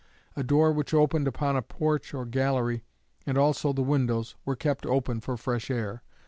A door which opened upon a porch or gallery, and also the windows, were kept open for fresh air.